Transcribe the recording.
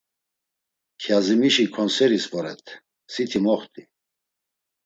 Kyazimişi ǩonseris voret, siti moxti.